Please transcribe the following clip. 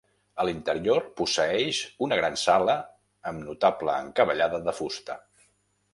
A l'interior posseeix una gran sala amb notable encavallada de fusta.